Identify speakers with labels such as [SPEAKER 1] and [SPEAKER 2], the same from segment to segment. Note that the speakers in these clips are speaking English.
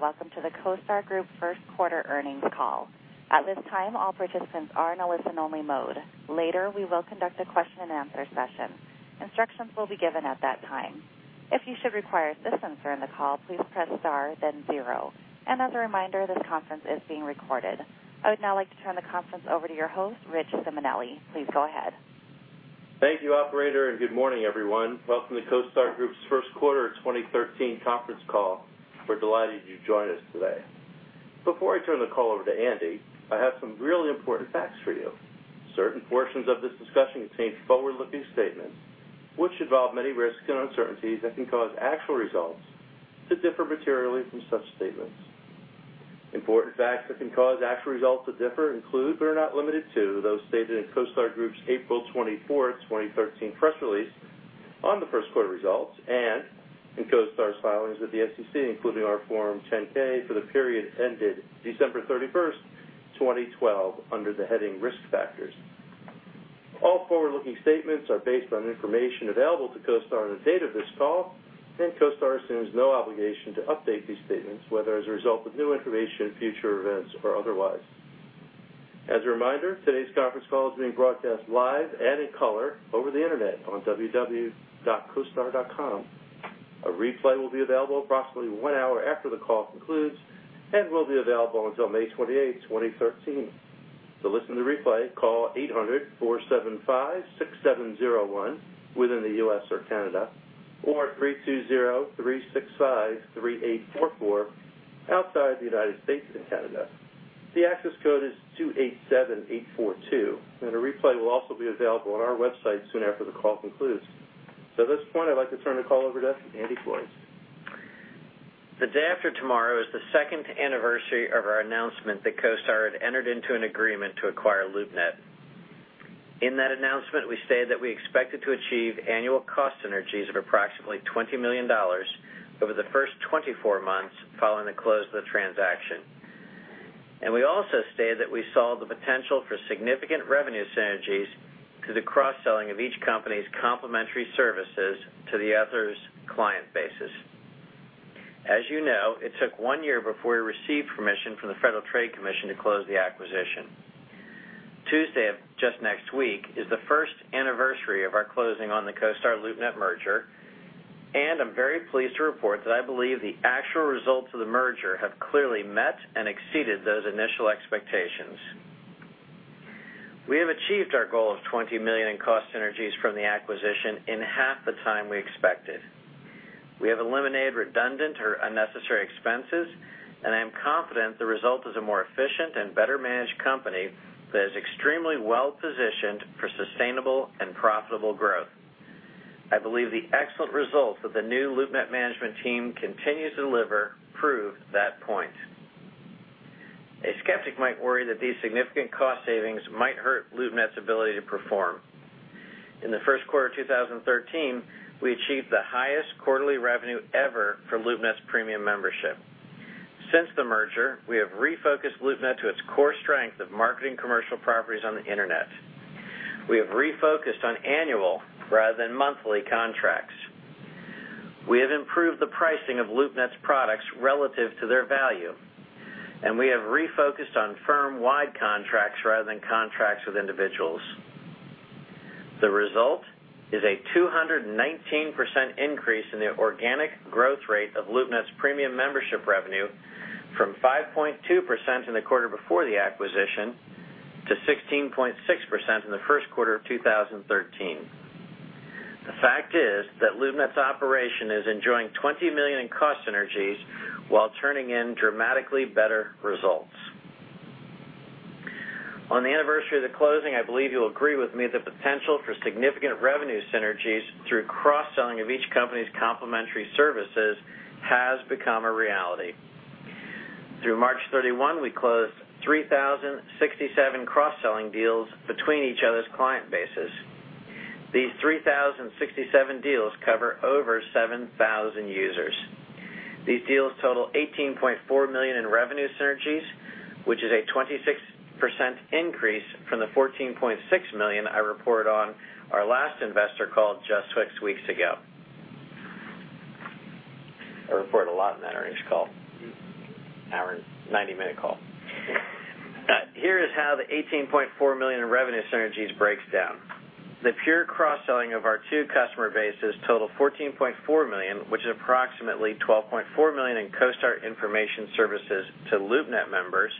[SPEAKER 1] Welcome to the CoStar Group first quarter earnings call. At this time, all participants are in a listen-only mode. Later, we will conduct a question and answer session. Instructions will be given at that time. If you should require assistance during the call, please press star then zero. As a reminder, this conference is being recorded. I would now like to turn the conference over to your host, Richard Simonelli. Please go ahead.
[SPEAKER 2] Thank you, operator, and good morning, everyone. Welcome to CoStar Group's first quarter 2013 conference call. We're delighted you joined us today. Before I turn the call over to Andy, I have some really important facts for you. Certain portions of this discussion contain forward-looking statements, which involve many risks and uncertainties that can cause actual results to differ materially from such statements. Important facts that can cause actual results to differ include, but are not limited to, those stated in CoStar Group's April 24th, 2013 press release on the first quarter results, and in CoStar's filings with the SEC, including our Form 10-K for the period ended December 31st, 2012, under the heading Risk Factors. All forward-looking statements are based on information available to CoStar on the date of this call. CoStar assumes no obligation to update these statements, whether as a result of new information, future events, or otherwise. As a reminder, today's conference call is being broadcast live and in color over the internet on www.costar.com. A replay will be available approximately one hour after the call concludes and will be available until May 28th, 2013. To listen to the replay, call 800-475-6701 within the U.S. or Canada, or 320-365-3844 outside the United States and Canada. The access code is 287842. A replay will also be available on our website soon after the call concludes. At this point, I'd like to turn the call over to Andy Florance.
[SPEAKER 3] The day after tomorrow is the second anniversary of our announcement that CoStar had entered into an agreement to acquire LoopNet. In that announcement, we stated that we expected to achieve annual cost synergies of approximately $20 million over the first 24 months following the close of the transaction. We also stated that we saw the potential for significant revenue synergies through the cross-selling of each company's complementary services to the other's client bases. As you know, it took one year before we received permission from the Federal Trade Commission to close the acquisition. Tuesday of just next week is the first anniversary of our closing on the CoStar-LoopNet merger. I'm very pleased to report that I believe the actual results of the merger have clearly met and exceeded those initial expectations. We have achieved our goal of $20 million in cost synergies from the acquisition in half the time we expected. We have eliminated redundant or unnecessary expenses. I am confident the result is a more efficient and better-managed company that is extremely well-positioned for sustainable and profitable growth. I believe the excellent results that the new LoopNet management team continues to deliver prove that point. A skeptic might worry that these significant cost savings might hurt LoopNet's ability to perform. In the first quarter of 2013, we achieved the highest quarterly revenue ever for LoopNet Premium membership. Since the merger, we have refocused LoopNet to its core strength of marketing commercial properties on the internet. We have refocused on annual rather than monthly contracts. We have improved the pricing of LoopNet's products relative to their value. We have refocused on firm-wide contracts rather than contracts with individuals. The result is a 219% increase in the organic growth rate of LoopNet Premium membership revenue from 5.2% in the quarter before the acquisition to 16.6% in the first quarter of 2013. The fact is that LoopNet's operation is enjoying $20 million in cost synergies while turning in dramatically better results. On the anniversary of the closing, I believe you'll agree with me the potential for significant revenue synergies through cross-selling of each company's complementary services has become a reality. Through March 31, we closed 3,067 cross-selling deals between each other's client bases. These 3,067 deals cover over 7,000 users. These deals total $18.4 million in revenue synergies, which is a 26% increase from the $14.6 million I reported on our last investor call just six weeks ago. I report a lot in that earnings call. Our 90-minute call. Here is how the $18.4 million in revenue synergies breaks down. The pure cross-selling of our two customer bases total $14.4 million, which is approximately $12.4 million in CoStar information services to LoopNet members,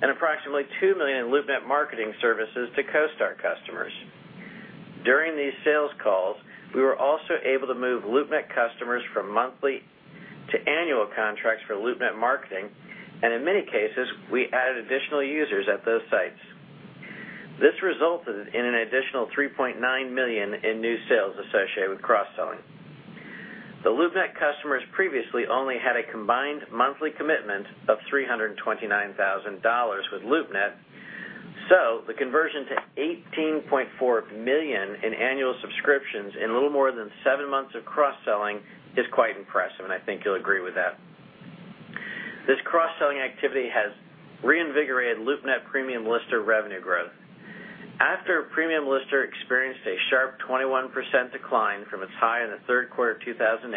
[SPEAKER 3] and approximately $2 million in LoopNet marketing services to CoStar customers. During these sales calls, we were also able to move LoopNet customers from monthly to annual contracts for LoopNet Marketing, and in many cases, we added additional users at those sites. This resulted in an additional $3.9 million in new sales associated with cross-selling. The LoopNet customers previously only had a combined monthly commitment of $329,000 with LoopNet, so the conversion to $18.4 million in annual subscriptions in a little more than seven months of cross-selling is quite impressive. I think you'll agree with that. This cross-selling activity has reinvigorated LoopNet Premium Lister revenue growth. After Premium Lister experienced a sharp 21% decline from its high in the third quarter of 2008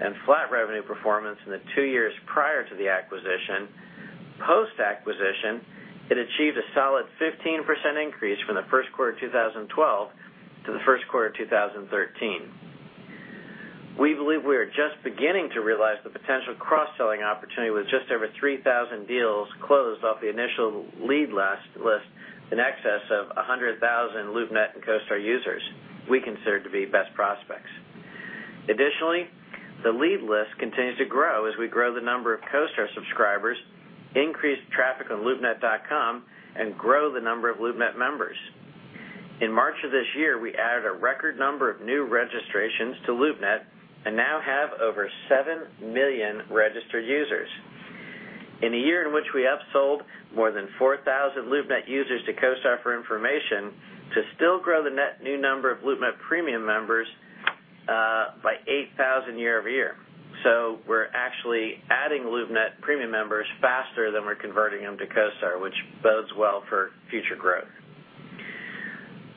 [SPEAKER 3] and flat revenue performance in the two years prior to the acquisition, post-acquisition, it achieved a solid 15% increase from the first quarter 2012 to the first quarter 2013. We believe we are just beginning to realize the potential cross-selling opportunity with just over 3,000 deals closed off the initial lead list, in excess of 100,000 LoopNet and CoStar users we consider to be best prospects. Additionally, the lead list continues to grow as we grow the number of CoStar subscribers, increase traffic on loopnet.com, and grow the number of LoopNet members. In March of this year, we added a record number of new registrations to LoopNet and now have over 7 million registered users. In a year in which we upsold more than 4,000 LoopNet users to CoStar for information to still grow the net new number of LoopNet Premium members by 8,000 year-over-year. We're actually adding LoopNet Premium members faster than we're converting them to CoStar, which bodes well for future growth.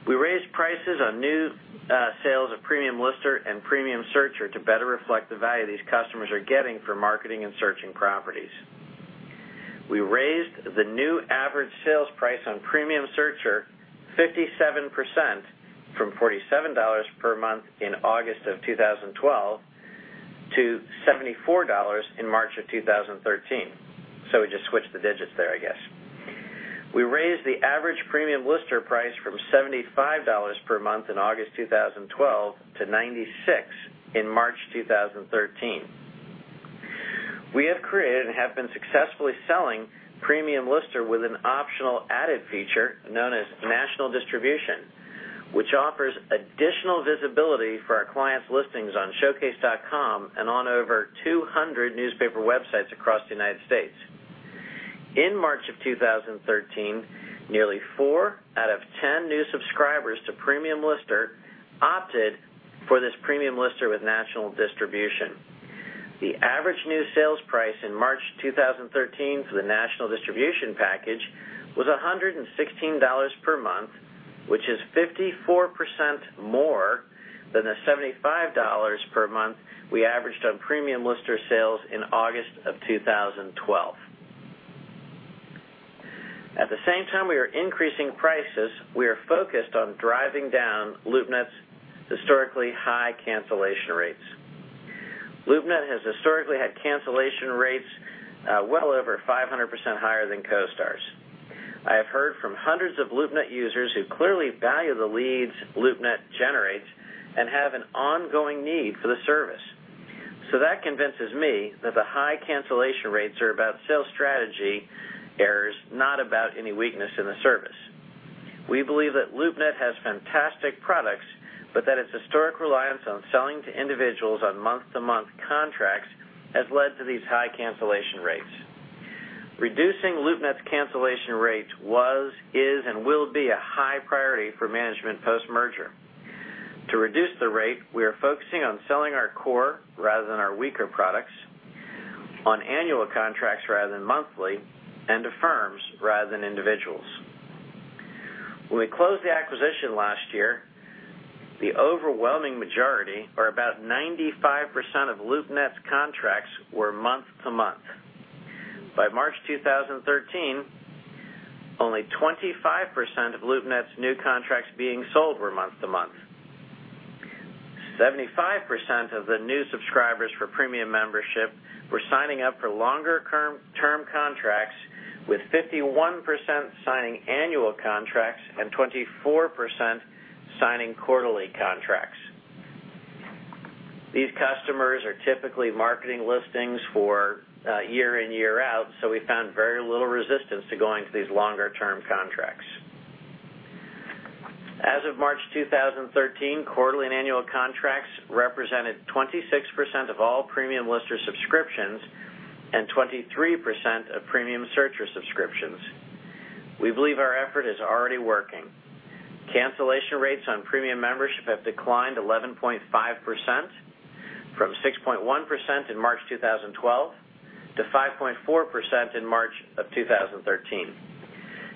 [SPEAKER 3] We raised prices on new sales of Premium Lister and Premium Searcher to better reflect the value these customers are getting for marketing and searching properties. We raised the new average sales price on Premium Searcher 57% from $47 per month in August 2012 to $74 in March 2013. We just switched the digits there, I guess. We raised the average Premium Lister price from $75 per month in August 2012 to $96 in March 2013. We have created and have been successfully selling Premium Lister with an optional added feature known as National Distribution, which offers additional visibility for our clients' listings on showcase.com and on over 200 newspaper websites across the U.S. In March 2013, nearly 4 out of 10 new subscribers to Premium Lister opted for this Premium Lister with National Distribution. The average new sales price in March 2013 for the National Distribution package was $116 per month, which is 54% more than the $75 per month we averaged on Premium Lister sales in August 2012. At the same time we are increasing prices, we are focused on driving down LoopNet's historically high cancellation rates. LoopNet has historically had cancellation rates well over 500% higher than CoStar's. I have heard from hundreds of LoopNet users who clearly value the leads LoopNet generates and have an ongoing need for the service. That convinces me that the high cancellation rates are about sales strategy errors, not about any weakness in the service. We believe that LoopNet has fantastic products, but that its historic reliance on selling to individuals on month-to-month contracts has led to these high cancellation rates. Reducing LoopNet's cancellation rates was, is, and will be a high priority for management post-merger. To reduce the rate, we are focusing on selling our core rather than our weaker products, on annual contracts rather than monthly, and to firms rather than individuals. When we closed the acquisition last year, the overwhelming majority or about 95% of LoopNet's contracts were month-to-month. By March 2013, only 25% of LoopNet's new contracts being sold were month-to-month. 75% of the new subscribers for Premium membership were signing up for longer-term contracts, with 51% signing annual contracts and 24% signing quarterly contracts. These customers are typically marketing listings for year in, year out, we found very little resistance to going to these longer-term contracts. As of March 2013, quarterly and annual contracts represented 26% of all Premium Lister subscriptions and 23% of Premium Searcher subscriptions. We believe our effort is already working. Cancellation rates on Premium membership have declined 11.5%, from 6.1% in March 2012 to 5.4% in March 2013.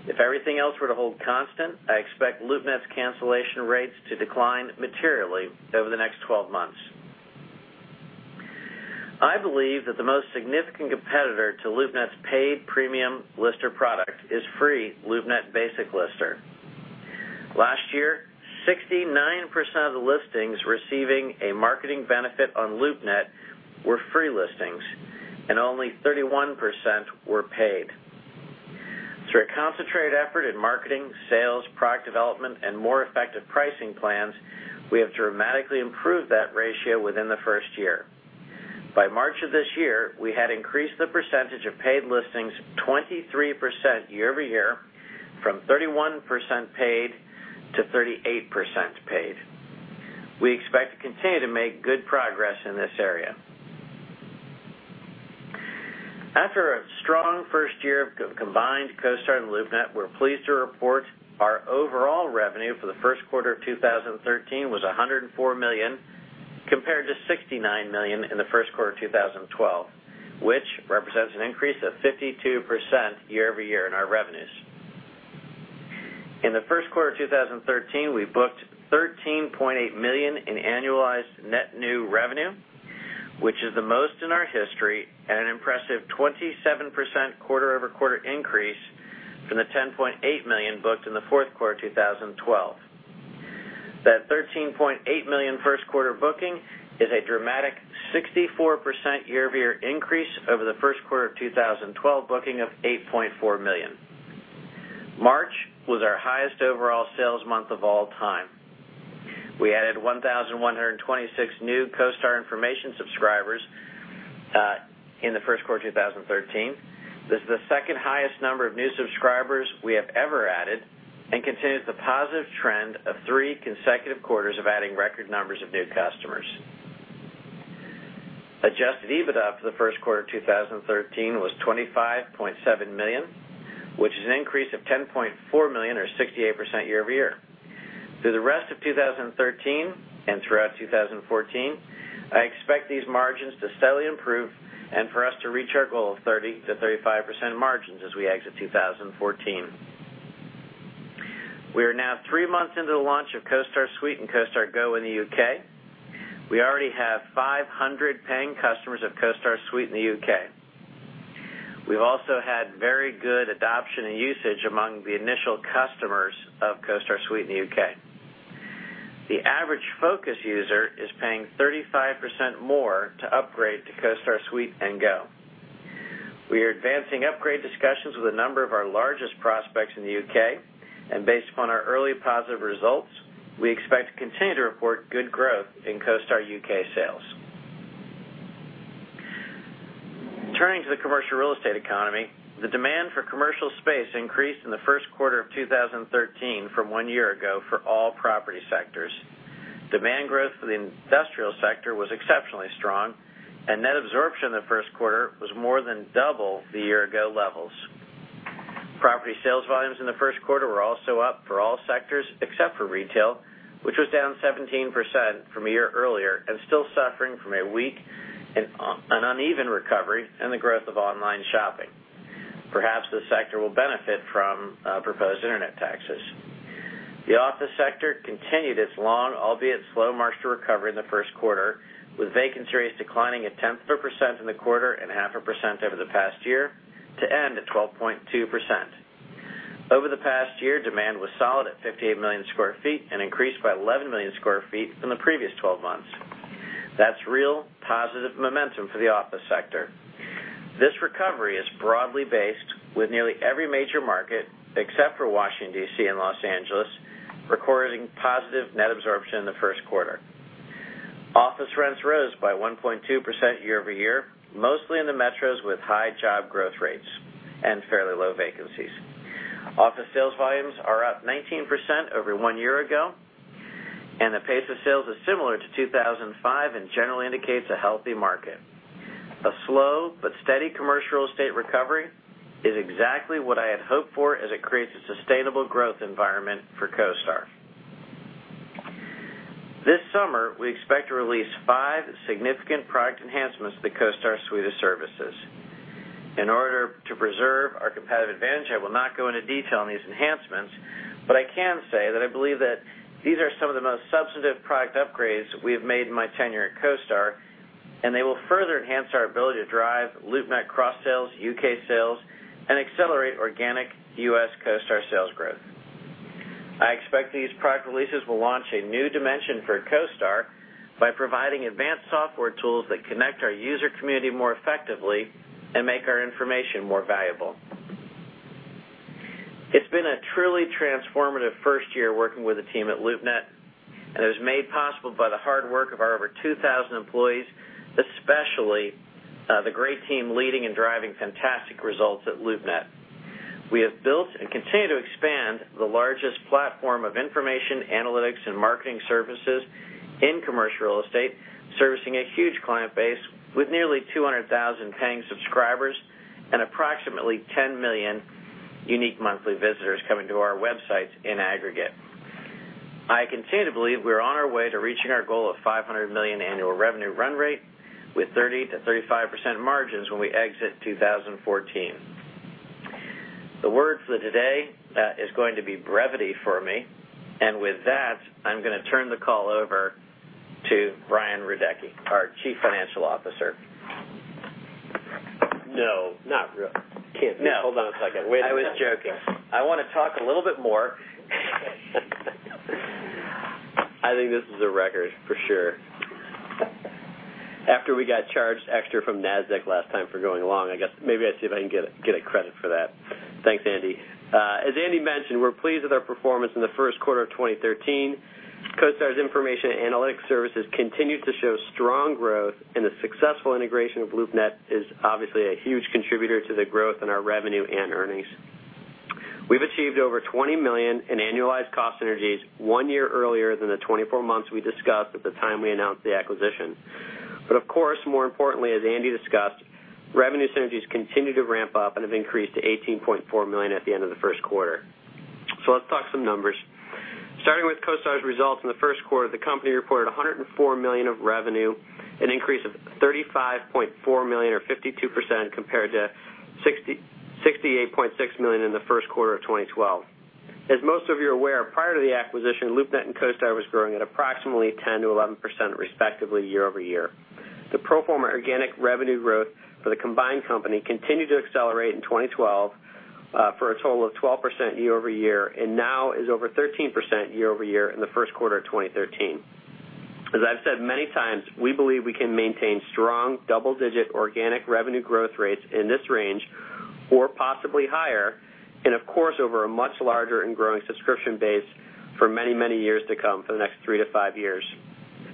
[SPEAKER 3] If everything else were to hold constant, I expect LoopNet's cancellation rates to decline materially over the next 12 months. I believe that the most significant competitor to LoopNet's paid Premium Lister product is free LoopNet Basic Lister. Last year, 69% of the listings receiving a marketing benefit on LoopNet were free listings, and only 31% were paid. Through a concentrated effort in marketing, sales, product development, and more effective pricing plans, we have dramatically improved that ratio within the first year. By March of this year, we had increased the percentage of paid listings 23% year-over-year from 31% paid to 38% paid. We expect to continue to make good progress in this area. After a strong first year of combined CoStar and LoopNet, we're pleased to report our overall revenue for the first quarter of 2013 was $104 million compared to $69 million in the first quarter of 2012, which represents an increase of 52% year-over-year in our revenues. In the first quarter of 2013, we booked $13.8 million in annualized net new revenue, which is the most in our history, and an impressive 27% quarter-over-quarter increase from the $10.8 million booked in the fourth quarter of 2012. That $13.8 million first quarter booking is a dramatic 64% year-over-year increase over the first quarter of 2012 booking of $8.4 million. March was our highest overall sales month of all time. We added 1,126 new CoStar information subscribers in the first quarter 2013. This is the second highest number of new subscribers we have ever added and continues the positive trend of three consecutive quarters of adding record numbers of new customers. Adjusted EBITDA for the first quarter 2013 was $25.7 million, which is an increase of $10.4 million or 68% year-over-year. Through the rest of 2013 and throughout 2014, I expect these margins to steadily improve and for us to reach our goal of 30%-35% margins as we exit 2014. We are now three months into the launch of CoStar Suite and CoStar Go in the U.K. We already have 500 paying customers of CoStar Suite in the U.K. We've also had very good adoption and usage among the initial customers of CoStar Suite in the U.K. The average FOCUS user is paying 35% more to upgrade to CoStar Suite and Go. We are advancing upgrade discussions with a number of our largest prospects in the U.K., and based upon our early positive results, we expect to continue to report good growth in CoStar U.K. sales. Turning to the commercial real estate economy, the demand for commercial space increased in the first quarter of 2013 from one year ago for all property sectors. Demand growth for the industrial sector was exceptionally strong, and net absorption in the first quarter was more than double the year-ago levels. Property sales volumes in the first quarter were also up for all sectors except for retail, which was down 17% from a year earlier and still suffering from a weak and uneven recovery in the growth of online shopping. Perhaps this sector will benefit from proposed internet taxes. The office sector continued its long, albeit slow, march to recovery in the first quarter, with vacancy rates declining a tenth of a percent in the quarter and half a percent over the past year to end at 12.2%. Over the past year, demand was solid at 58 million sq ft and increased by 11 million sq ft in the previous 12 months. That's real positive momentum for the office sector. This recovery is broadly based with nearly every major market, except for Washington, D.C. and Los Angeles, recording positive net absorption in the first quarter. Office rents rose by 1.2% year-over-year, mostly in the metros with high job growth rates and fairly low vacancies. Office sales volumes are up 19% over one year ago, and the pace of sales is similar to 2005 and generally indicates a healthy market. A slow but steady commercial real estate recovery is exactly what I had hoped for as it creates a sustainable growth environment for CoStar. This summer, we expect to release five significant product enhancements to the CoStar Suite of services. In order to preserve our competitive advantage, I will not go into detail on these enhancements. I can say that I believe that these are some of the most substantive product upgrades we have made in my tenure at CoStar. They will further enhance our ability to drive LoopNet cross-sales, U.K. sales, and accelerate organic U.S. CoStar sales growth. I expect these product releases will launch a new dimension for CoStar by providing advanced software tools that connect our user community more effectively and make our information more valuable. It's been a truly transformative first year working with the team at LoopNet. It was made possible by the hard work of our over 2,000 employees, especially the great team leading and driving fantastic results at LoopNet. We have built and continue to expand the largest platform of information analytics and marketing services in commercial real estate, servicing a huge client base with nearly 200,000 paying subscribers and approximately 10 million unique monthly visitors coming to our websites in aggregate. I continue to believe we're on our way to reaching our goal of $500 million annual revenue run rate with 30%-35% margins when we exit 2014. The word for the today is going to be brevity for me. With that, I'm going to turn the call over to Brian Radecki, our Chief Financial Officer.
[SPEAKER 4] No, not really.
[SPEAKER 3] Can't be.
[SPEAKER 4] Hold on a second. Wait a minute.
[SPEAKER 3] I was joking. I want to talk a little bit more.
[SPEAKER 4] I think this is a record for sure. After we got charged extra from Nasdaq last time for going long, I guess maybe I'll see if I can get a credit for that. Thanks, Andy. As Andy mentioned, we're pleased with our performance in the first quarter of 2013. CoStar's information analytics services continued to show strong growth, and the successful integration of LoopNet is obviously a huge contributor to the growth in our revenue and earnings. We've achieved over $20 million in annualized cost synergies one year earlier than the 24 months we discussed at the time we announced the acquisition. Of course, more importantly, as Andy discussed, revenue synergies continue to ramp up and have increased to $18.4 million at the end of the first quarter. Let's talk some numbers. Starting with CoStar's results in the first quarter, the company reported $104 million of revenue, an increase of $35.4 million or 52% compared to $68.6 million in the first quarter of 2012. As most of you are aware, prior to the acquisition, LoopNet and CoStar was growing at approximately 10%-11%, respectively, year-over-year. The pro forma organic revenue growth for the combined company continued to accelerate in 2012 for a total of 12% year-over-year, and now is over 13% year-over-year in the first quarter of 2013. As I've said many times, we believe we can maintain strong double-digit organic revenue growth rates in this range or possibly higher, and of course, over a much larger and growing subscription base for many years to come, for the next three to five years.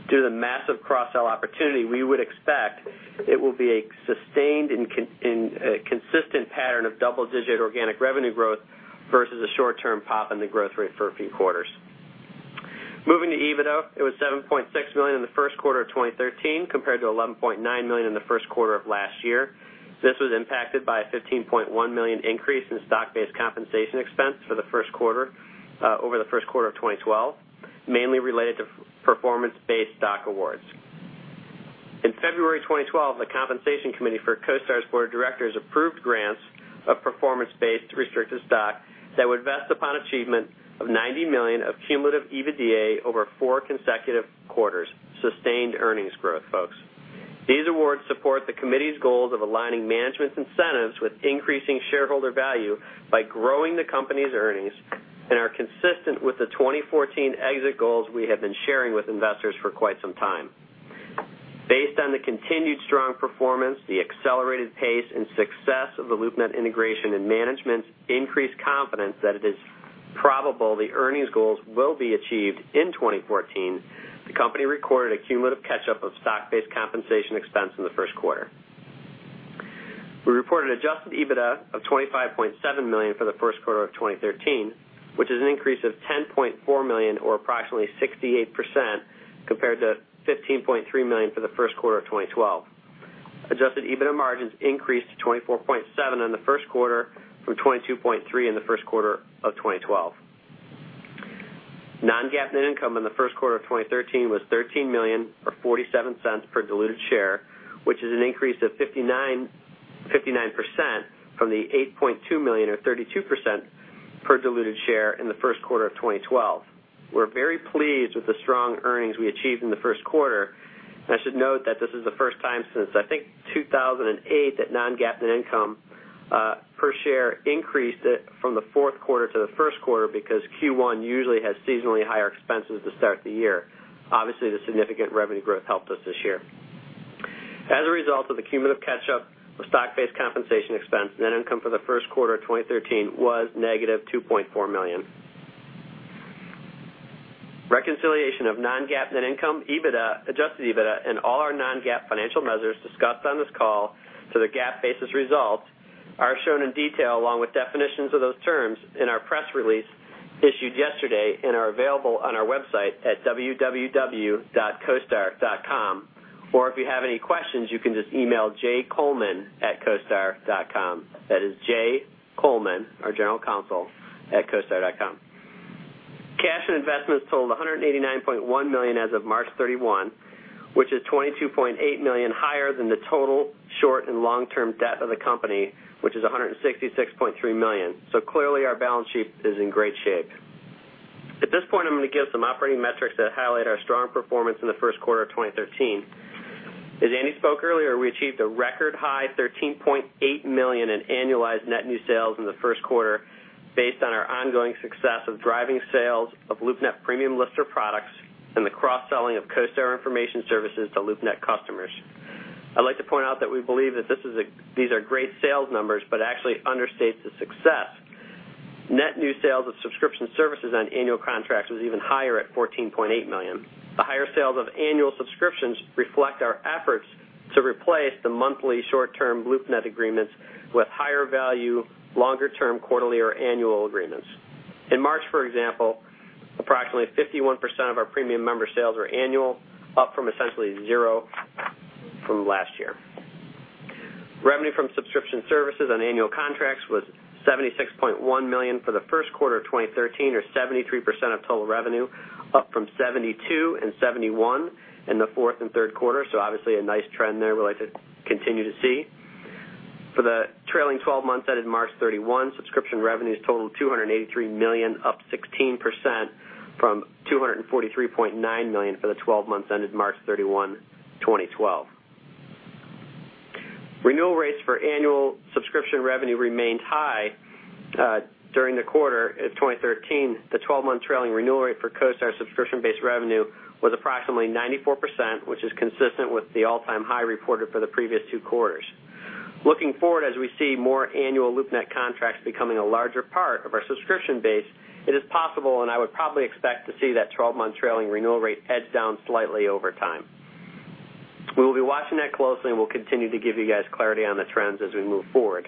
[SPEAKER 4] Due to the massive cross-sell opportunity, we would expect it will be a sustained and consistent pattern of double-digit organic revenue growth versus a short-term pop in the growth rate for a few quarters. Moving to EBITDA, it was $7.6 million in the first quarter of 2013 compared to $11.9 million in the first quarter of last year. This was impacted by a $15.1 million increase in stock-based compensation expense for the first quarter over the first quarter of 2012, mainly related to performance-based stock awards. In February 2012, the compensation committee for CoStar's board of directors approved grants of performance-based restricted stock that would vest upon achievement of $90 million of cumulative EBITDA over four consecutive quarters. Sustained earnings growth, folks. These awards support the committee's goals of aligning management's incentives with increasing shareholder value by growing the company's earnings and are consistent with the 2014 exit goals we have been sharing with investors for quite some time. Based on the continued strong performance, the accelerated pace, and success of the LoopNet integration, and management's increased confidence that it is probable the earnings goals will be achieved in 2014, the company recorded a cumulative catch-up of stock-based compensation expense in the first quarter. We reported adjusted EBITDA of $25.7 million for the first quarter of 2013, which is an increase of $10.4 million or approximately 68% compared to $15.3 million for the first quarter of 2012. Adjusted EBITDA margins increased to 24.7% in the first quarter from 22.3% in the first quarter of 2012. Non-GAAP net income in the first quarter of 2013 was $13 million, or $0.47 per diluted share, which is an increase of 59% from the $8.2 million or 32% per diluted share in the first quarter of 2012. We're very pleased with the strong earnings we achieved in the first quarter, and I should note that this is the first time since, I think, 2008, that Non-GAAP net income per share increased from the fourth quarter to the first quarter because Q1 usually has seasonally higher expenses to start the year. Obviously, the significant revenue growth helped us this year. As a result of the cumulative catch-up of stock-based compensation expense, net income for the first quarter of 2013 was negative $2.4 million. Reconciliation of non-GAAP net income, EBITDA, adjusted EBITDA, and all our non-GAAP financial measures discussed on this call to the GAAP-basis results are shown in detail, along with definitions of those terms in our press release issued yesterday and are available on our website at www.costar.com. If you have any questions, you can just email jcoleman@costar.com. That is jcoleman, our General Counsel, @costar.com. Cash and investments totaled $189.1 million as of March 31, which is $22.8 million higher than the total short and long-term debt of the company, which is $166.3 million. Clearly, our balance sheet is in great shape. At this point, I'm going to give some operating metrics that highlight our strong performance in the first quarter of 2013. As Andy spoke earlier, we achieved a record high $13.8 million in annualized net new sales in the first quarter based on our ongoing success of driving sales of LoopNet Premium Lister products and the cross-selling of CoStar information services to LoopNet customers. I'd like to point out that we believe that these are great sales numbers, actually understates the success. Net new sales of subscription services on annual contracts was even higher at $14.8 million. The higher sales of annual subscriptions reflect our efforts to replace the monthly short-term LoopNet agreements with higher-value, longer-term quarterly or annual agreements. In March, for example, approximately 51% of our premium member sales were annual, up from essentially zero from last year. Revenue from subscription services on annual contracts was $76.1 million for the first quarter of 2013, or 73% of total revenue, up from 72% and 71% in the fourth and third quarter. Obviously a nice trend there we'd like to continue to see. For the trailing 12 months ended March 31, subscription revenues totaled $283 million, up 16% from $243.9 million for the 12 months ended March 31, 2012. Renewal rates for annual subscription revenue remained high during the quarter of 2013. The 12-month trailing renewal rate for CoStar subscription-based revenue was approximately 94%, which is consistent with the all-time high reported for the previous two quarters. Looking forward, as we see more annual LoopNet contracts becoming a larger part of our subscription base, it is possible and I would probably expect to see that 12-month trailing renewal rate head down slightly over time. We will be watching that closely, we'll continue to give you guys clarity on the trends as we move forward.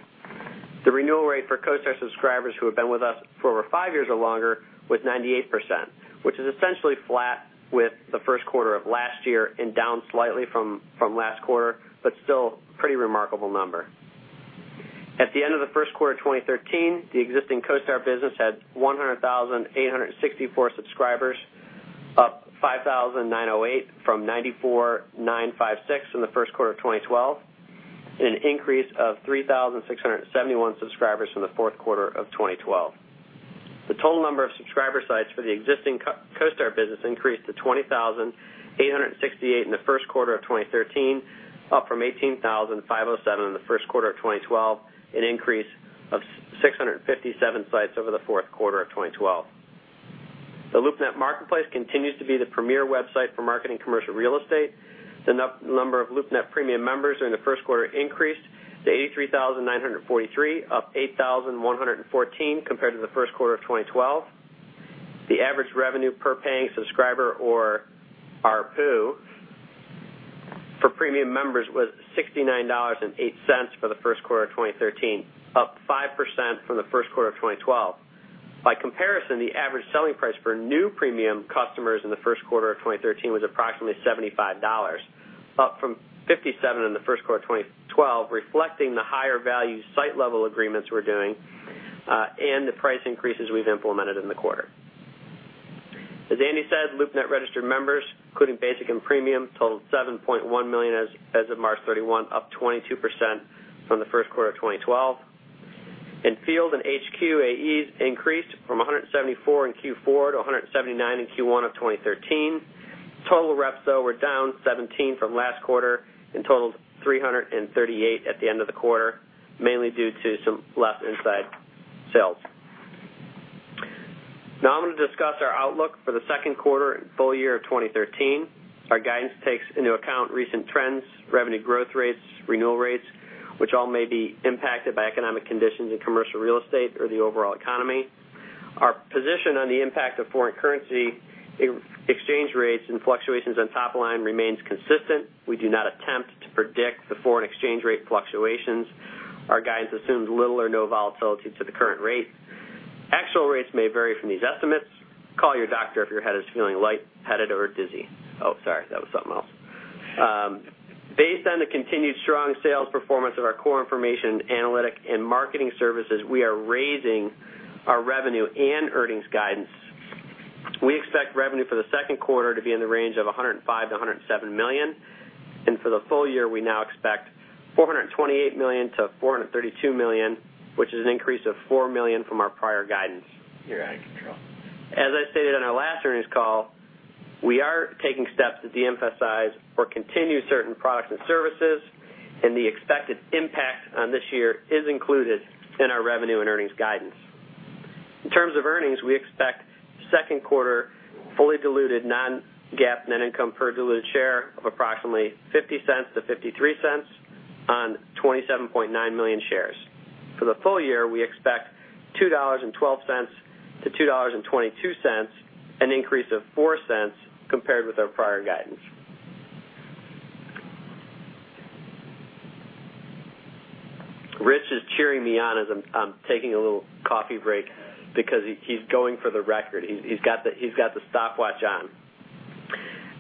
[SPEAKER 4] The renewal rate for CoStar subscribers who have been with us for over five years or longer was 98%, which is essentially flat with the first quarter of last year and down slightly from last quarter, still a pretty remarkable number. At the end of the first quarter of 2013, the existing CoStar business had 100,864 subscribers, up 5,908 from 94,956 in the first quarter of 2012, and an increase of 3,671 subscribers from the fourth quarter of 2012. The total number of subscriber sites for the existing CoStar business increased to 20,868 in the first quarter of 2013, up from 18,507 in the first quarter of 2012, an increase of 657 sites over the fourth quarter of 2012. The LoopNet marketplace continues to be the premier website for marketing commercial real estate. The net number of LoopNet premium members in the first quarter increased to 83,943, up 8,114 compared to the first quarter of 2012. The average revenue per paying subscriber or ARPU for premium members was $69.08 for the first quarter of 2013, up 5% from the first quarter of 2012. By comparison, the average selling price for new premium customers in the first quarter of 2013 was approximately $75, up from $57 in the first quarter of 2012, reflecting the higher value site-level agreements we're doing and the price increases we've implemented in the quarter. As Andy said, LoopNet registered members, including basic and premium, totaled 7.1 million as of March 31, up 22% from the first quarter of 2012. In field and HQ, AEs increased from 174 in Q4 to 179 in Q1 of 2013. Total reps, though, were down 17 from last quarter and totaled 338 at the end of the quarter, mainly due to some less inside sales. Now I'm going to discuss our outlook for the second quarter and full year of 2013. Our guidance takes into account recent trends, revenue growth rates, renewal rates, which all may be impacted by economic conditions in commercial real estate or the overall economy. Our position on the impact of foreign currency exchange rates and fluctuations on top line remains consistent. We do not attempt to predict the foreign exchange rate fluctuations. Our guidance assumes little or no volatility to the current rate. Actual rates may vary from these estimates. Call your doctor if your head is feeling lightheaded or dizzy. Oh, sorry, that was something else. Based on the continued strong sales performance of our core information analytic and marketing services, we are raising our revenue and earnings guidance. We expect revenue for the second quarter to be in the range of $105 million-$107 million. For the full year, we now expect $428 million-$432 million, which is an increase of $4 million from our prior guidance.
[SPEAKER 5] You're out of control.
[SPEAKER 4] As I stated on our last earnings call, we are taking steps to de-emphasize or continue certain products and services, and the expected impact on this year is included in our revenue and earnings guidance. In terms of earnings, we expect second quarter fully diluted non-GAAP net income per diluted share of approximately $0.50 to $0.53 on 27.9 million shares. For the full year, we expect $2.12 to $2.22, an increase of $0.04 compared with our prior guidance. Rich is cheering me on as I'm taking a little coffee break because he's going for the record. He's got the stopwatch on.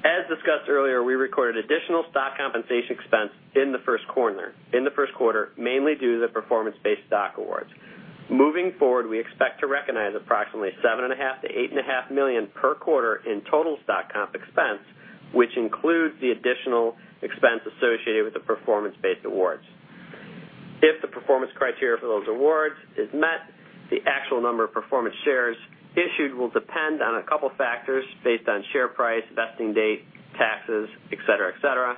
[SPEAKER 4] As discussed earlier, we recorded additional stock compensation expense in the first quarter, mainly due to the performance-based stock awards. Moving forward, we expect to recognize approximately $7.5 million to $8.5 million per quarter in total stock comp expense, which includes the additional expense associated with the performance-based awards. If the performance criteria for those awards is met, the actual number of performance shares issued will depend on a couple factors based on share price, vesting date, taxes, et cetera.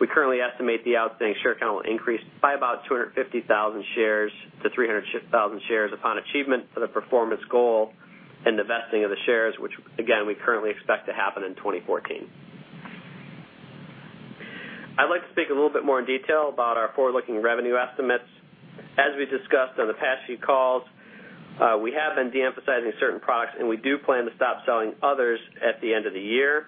[SPEAKER 4] We currently estimate the outstanding share count will increase by about 250,000 shares to 300,000 shares upon achievement of the performance goal and the vesting of the shares, which again, we currently expect to happen in 2014. I'd like to speak a little bit more in detail about our forward-looking revenue estimates. As we discussed on the past few calls, we have been de-emphasizing certain products. We do plan to stop selling others at the end of the year.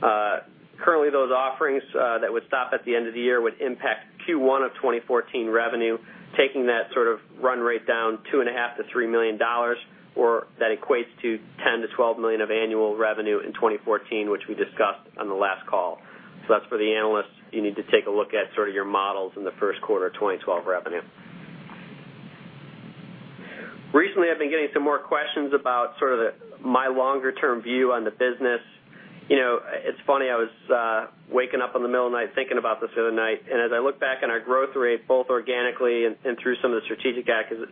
[SPEAKER 4] Currently, those offerings that would stop at the end of the year would impact Q1 of 2014 revenue, taking that sort of run rate down $2.5 million to $3 million, or that equates to $10 million to $12 million of annual revenue in 2014, which we discussed on the last call. That's for the analysts. You need to take a look at sort of your models in the first quarter of 2012 revenue. Recently, I've been getting some more questions about sort of my longer-term view on the business. It's funny, I was waking up in the middle of the night thinking about this the other night. As I look back on our growth rate, both organically and through some of the strategic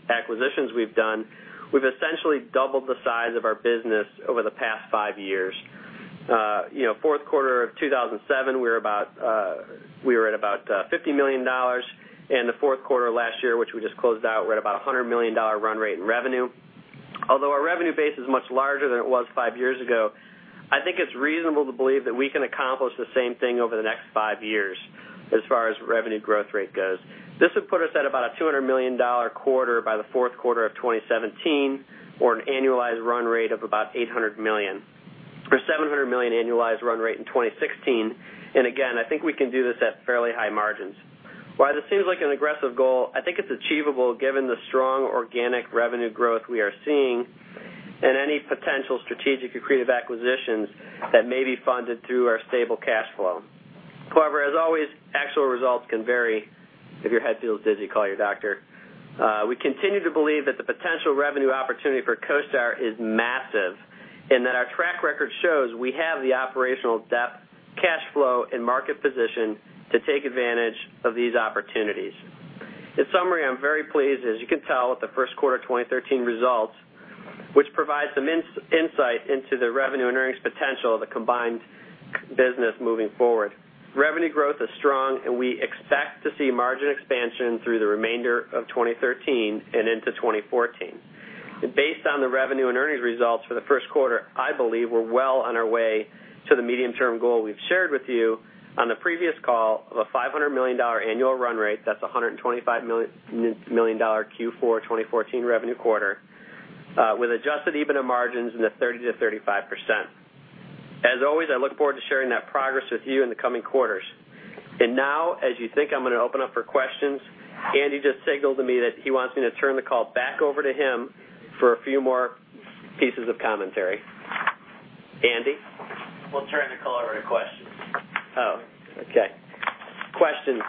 [SPEAKER 4] acquisitions we've done, we've essentially doubled the size of our business over the past five years. Fourth quarter of 2007, we were at about $50 million. In the fourth quarter of last year, which we just closed out, we're at about $100 million run rate in revenue. Although our revenue base is much larger than it was five years ago, I think it's reasonable to believe that we can accomplish the same thing over the next five years as far as revenue growth rate goes. This would put us at about a $200 million quarter by the fourth quarter of 2017, or an annualized run rate of about $800 million. For $700 million annualized run rate in 2016. Again, I think we can do this at fairly high margins. While this seems like an aggressive goal, I think it's achievable given the strong organic revenue growth we are seeing and any potential strategic accretive acquisitions that may be funded through our stable cash flow. However, as always, actual results can vary. If your head feels dizzy, call your doctor. We continue to believe that the potential revenue opportunity for CoStar is massive, that our track record shows we have the operational depth, cash flow, and market position to take advantage of these opportunities. In summary, I'm very pleased, as you can tell, with the first quarter 2013 results, which provides some insight into the revenue and earnings potential of the combined business moving forward. Revenue growth is strong, we expect to see margin expansion through the remainder of 2013 and into 2014. Based on the revenue and earnings results for the first quarter, I believe we're well on our way to the medium-term goal we've shared with you on the previous call of a $500 million annual run rate. That's $125 million Q4 2014 revenue quarter with adjusted EBITDA margins in the 30%-35%. As always, I look forward to sharing that progress with you in the coming quarters. Now, as you think I'm going to open up for questions, Andy just signaled to me that he wants me to turn the call back over to him for a few more pieces of commentary. Andy?
[SPEAKER 3] We'll turn the call over to questions.
[SPEAKER 4] Oh, okay. Questions.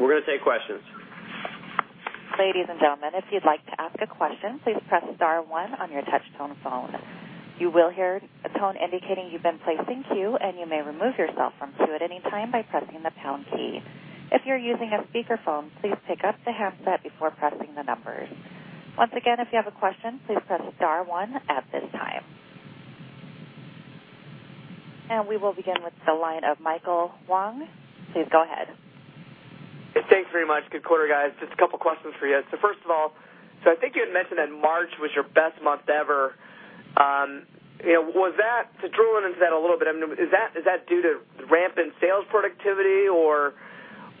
[SPEAKER 4] We're going to take questions.
[SPEAKER 1] Ladies and gentlemen, if you'd like to ask a question, please press star one on your touch-tone phone. You will hear a tone indicating you've been placed in queue, and you may remove yourself from queue at any time by pressing the pound key. If you're using a speakerphone, please pick up the handset before pressing the numbers. Once again, if you have a question, please press star one at this time. We will begin with the line of Michael Wong. Please go ahead.
[SPEAKER 5] Thanks very much. Good quarter, guys. Just a couple of questions for you. First of all, I think you had mentioned that March was your best month ever. To drill into that a little bit, is that due to rampant sales productivity, or is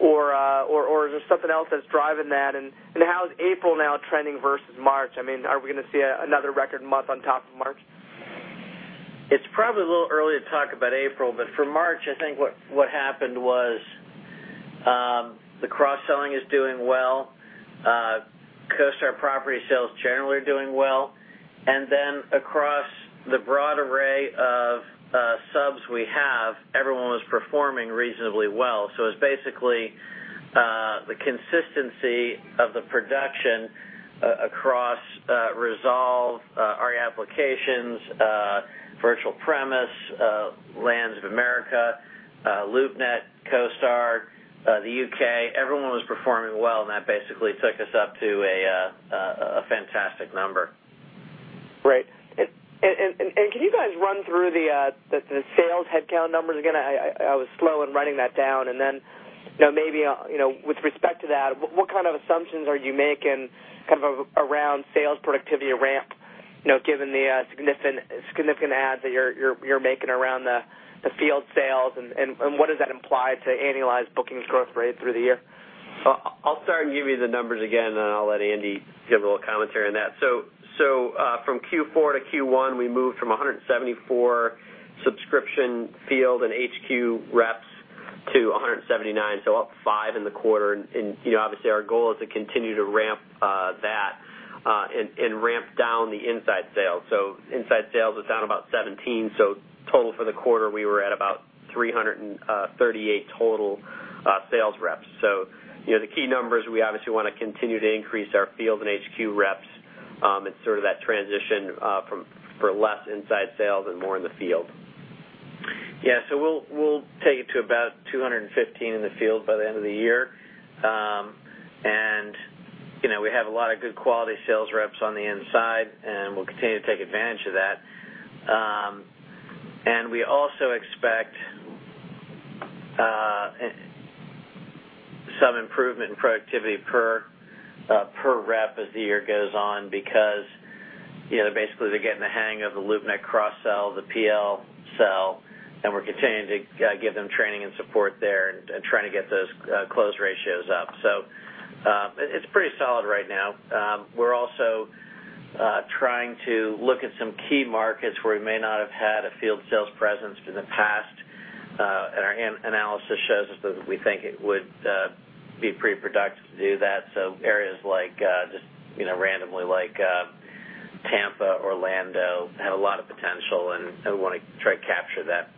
[SPEAKER 5] there something else that's driving that? How is April now trending versus March? Are we going to see another record month on top of March?
[SPEAKER 3] It's probably a little early to talk about April, but for March, I think what happened was the cross-selling is doing well. CoStar property sales generally are doing well. Then across the broad array of subs we have, everyone was performing reasonably well. It's basically the consistency of the production across Resolve, RE Applications, Virtual Premise, Lands of America, LoopNet, CoStar, the U.K. Everyone was performing well, that basically took us up to a fantastic number.
[SPEAKER 5] Right. Can you guys run through the sales headcount numbers again? I was slow in writing that down. Then maybe with respect to that, what kind of assumptions are you making around sales productivity ramp, given the significant adds that you're making around the field sales, and what does that imply to annualized booking growth rate through the year?
[SPEAKER 4] I'll start and give you the numbers again, then I'll let Andy give a little commentary on that. From Q4 to Q1, we moved from 174 subscription field and HQ reps to 179, so up five in the quarter. Obviously, our goal is to continue to ramp that and ramp down the inside sales. Inside sales is down about 17. Total for the quarter, we were at about 338 total sales reps. The key numbers, we obviously want to continue to increase our field and HQ reps and sort of that transition for less inside sales and more in the field.
[SPEAKER 3] Yeah. We'll take it to about 215 in the field by the end of the year. We have a lot of good quality sales reps on the inside, and we'll continue to take advantage of that. We also expect some improvement in productivity per rep as the year goes on because basically, they're getting the hang of the LoopNet cross-sell, the PL sell, and we're continuing to give them training and support there and trying to get those close ratios up. It's pretty solid right now. We're also trying to look at some key markets where we may not have had a field sales presence in the past. Our analysis shows us that we think it would be pretty productive to do that. Areas just randomly like Tampa, Orlando have a lot of potential, and we want to try to capture that.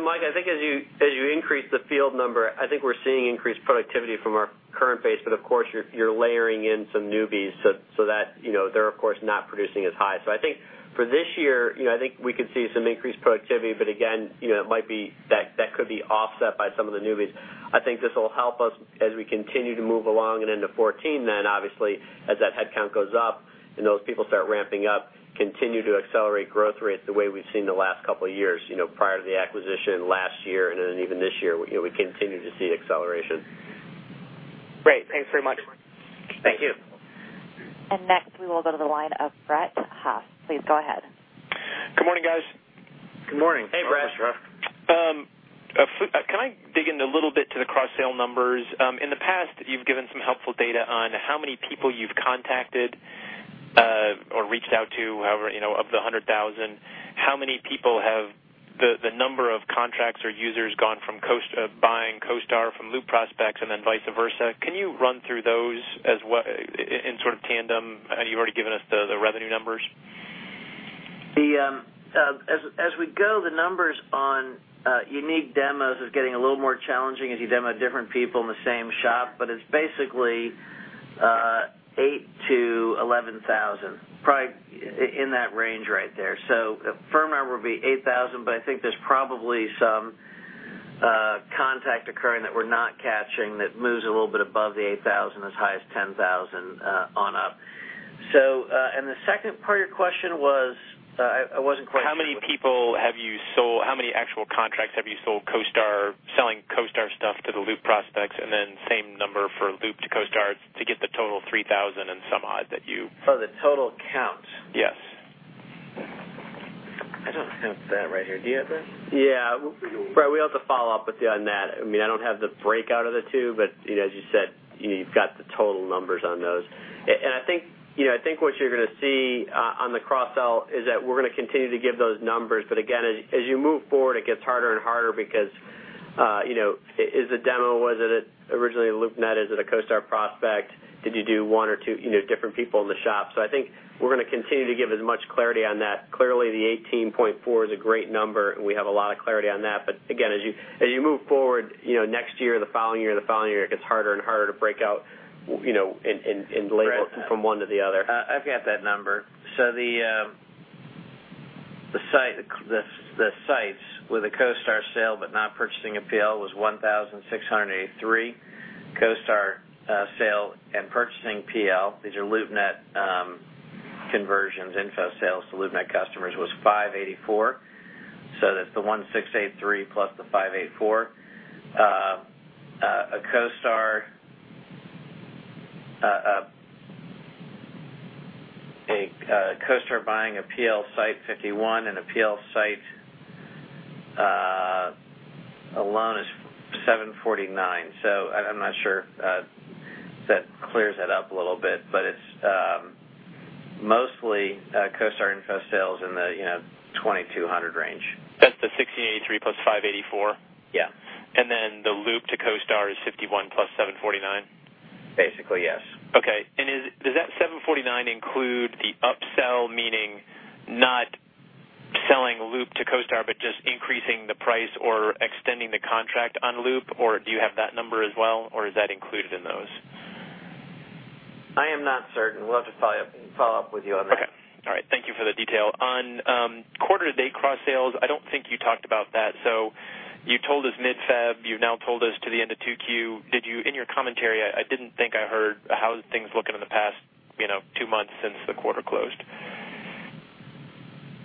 [SPEAKER 4] Mike, I think as you increase the field number, I think we're seeing increased productivity from our current base. But of course, you're layering in some newbies, so they're of course not producing as high. I think for this year, I think we could see some increased productivity. But again, that could be offset by some of the newbies. I think this will help us as we continue to move along and into 2014 then. Obviously, as that headcount goes up and those people start ramping up, continue to accelerate growth rates the way we've seen the last couple of years, prior to the acquisition last year and then even this year, we continue to see acceleration.
[SPEAKER 5] Great. Thanks very much.
[SPEAKER 3] Thank you.
[SPEAKER 1] Next, we will go to the line of Brett Haas. Please go ahead.
[SPEAKER 5] Good morning, guys.
[SPEAKER 3] Good morning.
[SPEAKER 4] Hey, Brett.
[SPEAKER 5] In the past, you've given some helpful data on how many people you've contacted or reached out to, however, of the 100,000, the number of contracts or users gone from buying CoStar from Loop prospects and then vice versa. Can you run through those in sort of tandem? You've already given us the revenue numbers.
[SPEAKER 3] As we go, the numbers on unique demos is getting a little more challenging as you demo different people in the same shop, but it's basically 8,000-11,000, probably in that range right there. Firm number would be 8,000, but I think there's probably some contact occurring that we're not catching that moves a little bit above the 8,000, as high as 10,000 on up. The second part of your question was? I wasn't quite sure.
[SPEAKER 5] How many people have you sold, how many actual contracts have you sold selling CoStar stuff to the Loop prospects, same number for Loop to CoStar to get the total 3,000 and some odd.
[SPEAKER 3] The total count.
[SPEAKER 5] Yes.
[SPEAKER 3] I don't have that right here. Do you have that?
[SPEAKER 4] Yeah. Brett, we have to follow up with you on that. I don't have the breakout of the two, but as you said, you've got the total numbers on those. I think what you're going to see on the cross-sell is that we're going to continue to give those numbers. Again, as you move forward, it gets harder and harder because is a demo, was it originally a LoopNet, is it a CoStar prospect? Did you do one or two different people in the shop? I think we're going to continue to give as much clarity on that. Clearly, the 18.4 is a great number, and we have a lot of clarity on that. Again, as you move forward next year or the following year or the following year, it gets harder and harder to break out and label from one to the other.
[SPEAKER 3] I've got that number. The sites with a CoStar sale but not purchasing a PL was 1,683. CoStar sale and purchasing PL, these are LoopNet conversions, info sales to LoopNet customers, was 584. That's the 1,683 plus the 584. A CoStar buying a PL site 51 and a PL site alone is 749. I'm not sure if that clears it up a little bit, but it's mostly CoStar info sales in the 2,200 range.
[SPEAKER 5] That's the 1,683 plus 584?
[SPEAKER 3] Yeah.
[SPEAKER 5] Then the Loop to CoStar is 51 plus 749?
[SPEAKER 3] Basically, yes.
[SPEAKER 5] Okay. Does that 749 include the upsell, meaning not selling Loop to CoStar, but just increasing the price or extending the contract on Loop? Do you have that number as well, or is that included in those?
[SPEAKER 3] I am not certain. We'll have to follow up with you on that.
[SPEAKER 5] Okay. All right. Thank you for the detail. On quarter-to-date cross-sales, I don't think you talked about that. You told us mid-Feb, you've now told us to the end of [2Q]. In your commentary, I didn't think I heard how things looking in the past two months since the quarter closed.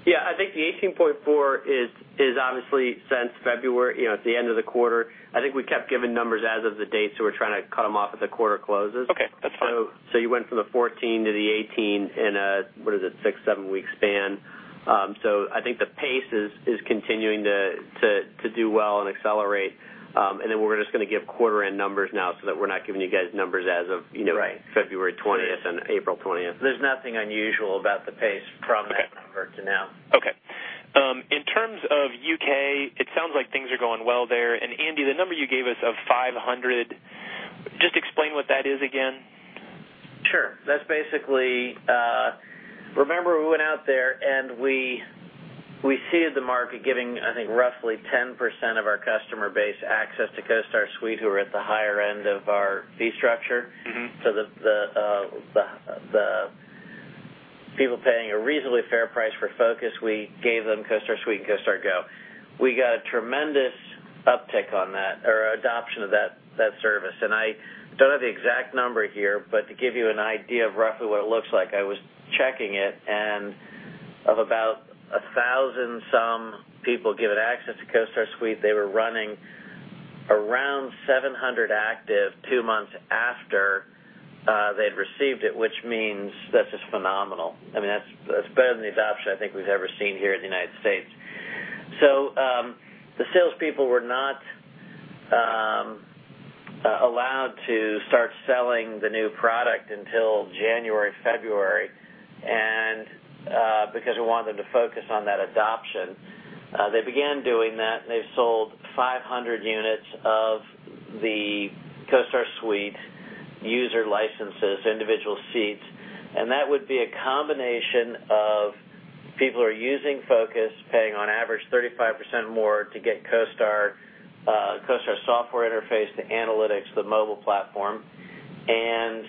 [SPEAKER 4] Yeah, I think the 18.4 is obviously since February, at the end of the quarter. I think we kept giving numbers as of the date. We're trying to cut them off as the quarter closes.
[SPEAKER 5] Okay, that's fine.
[SPEAKER 4] You went from the 14 to the 18 in a, what is it, six, seven-week span. I think the pace is continuing to do well and accelerate. We're just going to give quarter-end numbers now so that we're not giving you guys numbers as of.
[SPEAKER 3] Right
[SPEAKER 4] February 20th and April 20th.
[SPEAKER 3] There's nothing unusual about the pace from that number to now.
[SPEAKER 5] Okay. In terms of U.K., it sounds like things are going well there. Andy, the number you gave us of 500, just explain what that is again?
[SPEAKER 3] Sure. That's basically. Remember, we went out there. We seeded the market giving, I think, roughly 10% of our customer base access to CoStar Suite, who are at the higher end of our fee structure. The people paying a reasonably fair price for FOCUS, we gave them CoStar Suite and CoStar Go. We got a tremendous uptick on that or adoption of that service. I don't have the exact number here, but to give you an idea of roughly what it looks like, I was checking it, and of about 1,000 some people given access to CoStar Suite, they were running around 700 active two months after they'd received it, which means that's just phenomenal. That's better than the adoption I think we've ever seen here in the United States. The salespeople were not allowed to start selling the new product until January, February because we want them to focus on that adoption. They began doing that, and they've sold 500 units of the CoStar Suite user licenses, individual seats. That would be a combination of people who are using FOCUS, paying on average 35% more to get CoStar software interface, the analytics, the mobile platform, and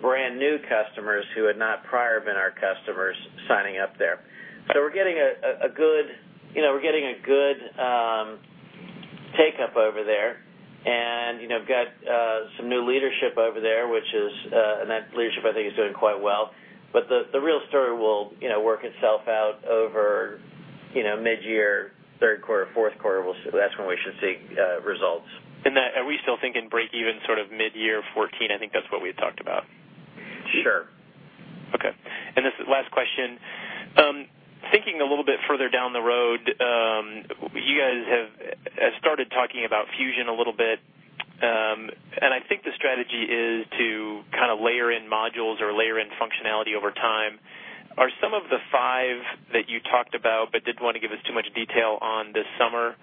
[SPEAKER 3] brand-new customers who had not prior been our customers signing up there. We're getting a good take-up over there, and we've got some new leadership over there, and that leadership I think is doing quite well. The real story will work itself out over mid-year, third quarter, fourth quarter. That's when we should see results.
[SPEAKER 5] Are we still thinking breakeven sort of mid-year 2014? I think that's what we had talked about.
[SPEAKER 3] Sure.
[SPEAKER 5] Further down the road, you guys have started talking about Fusion a little bit, I think the strategy is to kind of layer in modules or layer in functionality over time. Are some of the five that you talked about but didn't want to give us too much detail on the summer